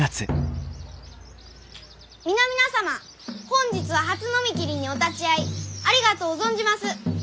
皆々様本日は初呑み切りにお立ち会いありがとう存じます。